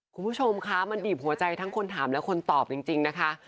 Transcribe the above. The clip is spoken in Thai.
คุณผู้ชมคะมันบีบหัวใจทั้งคนถามและคนตอบจริงนะคะ